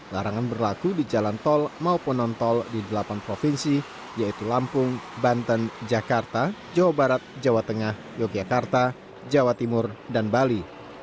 larangan berlaku di jalan tol maupun non tol di delapan provinsi yaitu lampung banten jakarta jawa barat jawa tengah yogyakarta jawa timur dan bali